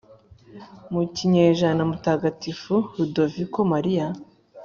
mu kinyejana mutagatifu ludoviko mariya